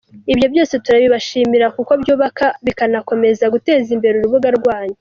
Ibyo byose turabibashimira kuko byubaka, bikanakomeza guteza imbere urubuga rwanyu.